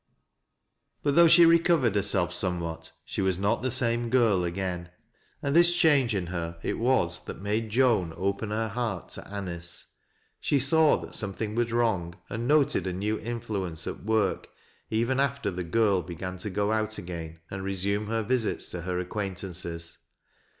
But though she recovered herself somewhat, she was not the same girl again. And this change in her it was that made Joan open her heart to Anice. She saw that something was wrong, and noted a new infliience at work even after the girl began to go out again and resume hei visits to her acquaintances.